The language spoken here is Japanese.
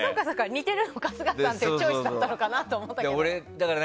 似てるの春日さんっていうチョイスだったのかなって思ったけど。